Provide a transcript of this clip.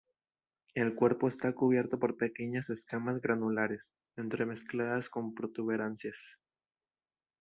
El cuerpo está cubierto por pequeñas escamas granulares, entremezcladas con protuberancias.